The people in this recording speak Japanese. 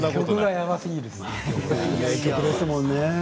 名曲ですものね。